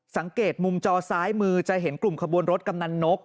สังเกตมุมจอซ้ายมือจะเห็นกลุ่มขบวนรถกำนันนก